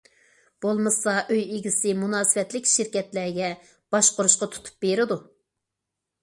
بولمىسا ئۆي ئىگىسى مۇناسىۋەتلىك شىركەتلەرگە باشقۇرۇشقا تۇتۇپ بېرىدۇ.